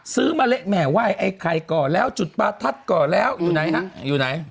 มะละแหม่ไหว้ไอ้ไข่ก่อแล้วจุดประทัดก่อแล้วอยู่ไหนฮะอยู่ไหน